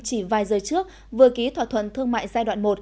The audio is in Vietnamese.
chỉ vài giờ trước vừa ký thỏa thuận thương mại giai đoạn một